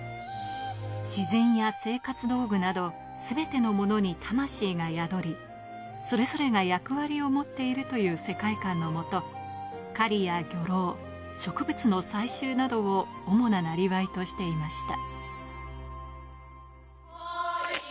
自然や生活道具など、すべてのものに魂が宿り、それぞれが役割を持っているという世界感のもと、狩りや漁労、植物の採集などを主な生業としていました。